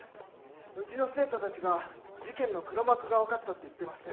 うちの生徒たちが事件の黒幕が分かったって言ってまして。